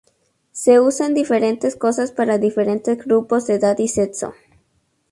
Se usan diferentes cosas para diferentes grupos de edad y sexo.